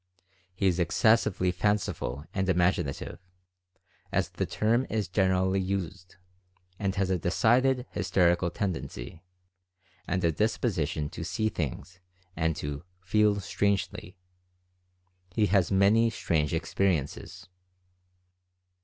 He is excessively fanciful and "imaginative" (as the term is generally used) and has a decidedly hysterical tendency, and a disposition to "see things" and to "feel strangely" — he has many "strange experiences."